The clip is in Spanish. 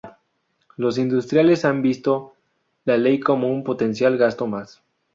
Los industriales han visto la ley como un potencial gasto más.